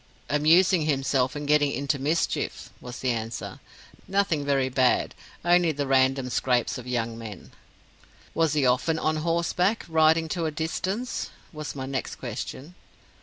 'Amusing himself and getting into mischief,' was the answer; 'nothing very bad, only the random scrapes of young men.' 'Was he often on horseback, riding to a distance?' was my next question.